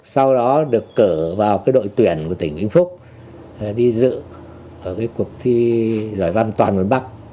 sau đó được cử vào đội tuyển của tỉnh vĩnh phúc đi dự ở cuộc thi giỏi văn toàn bộ bắc